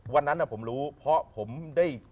วันนั้นผมรู้เพราะผมได้